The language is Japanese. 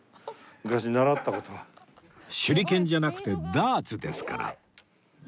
手裏剣じゃなくてダーツですから